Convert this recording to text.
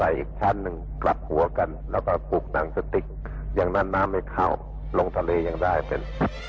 อย่างนั้นน้ำไม่เข้าลงทะเลยังได้เป็น